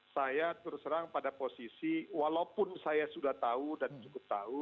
saya terus terang pada posisi walaupun saya sudah tahu dan cukup tahu